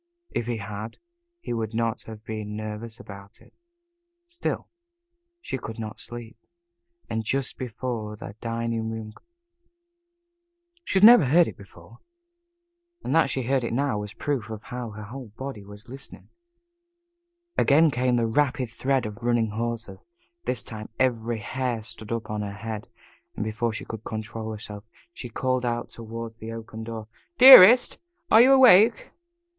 If he had, he would not have been nervous about it. Still, she could not sleep, and, just before the dining room clock began to chime midnight she had never heard it before, and that she heard it now was a proof of how her whole body was listening again came the rapid tread of running horses. This time every hair stood up on her head, and before she could control herself, she called out toward the open door: "Dearest, are you awake?"